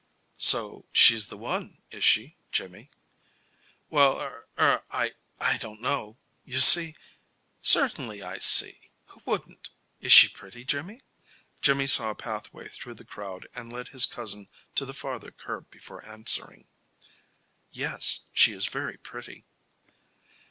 "So, she's the one, is she, Jimmy?" "Well er I I don't know. You see " "Certainly I see. Who wouldn't? Is she pretty, Jimmy?" Jimmy saw a pathway through the crowd and led his cousin to the farther curb before answering: "Yes, she is very pretty."